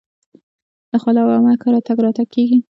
د خاله او عمه کره تګ راتګ کیږي.